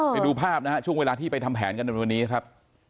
ไปดูภาพนะฮะช่วงเวลาที่ไปทำแผนกันในวันนี้ครับ